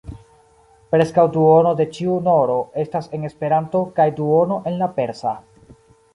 Preskaŭ duono de ĉiu n-ro estas en Esperanto kaj duono en la persa.